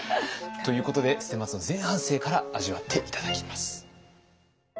ということで捨松の前半生から味わって頂きます。